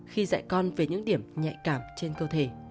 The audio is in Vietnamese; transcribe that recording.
khi dạy con về những điểm nhạy cảm trên cơ thể